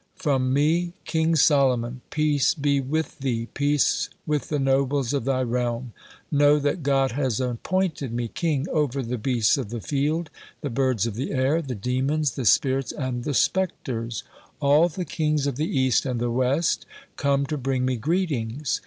"From me, King Solomon! Peace be with thee, peace with the nobles of thy realm! Know that God has appointed me king over the beasts of the field, the birds of the air, the demons, the spirits, and the spectres. All the kings of the East and the West come to bring me greetings.